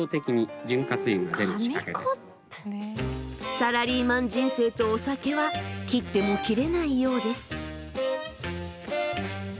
サラリーマン人生とお酒は切っても切れないようです。